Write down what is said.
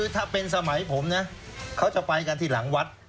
ถ้าเป็นสมัยผมนะเขาจะไปกันที่หลังวัด